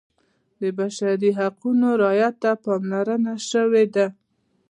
د بشري حقونو رعایت ته پاملرنه شوې ده.